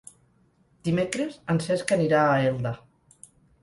Dimecres en Cesc anirà a Elda.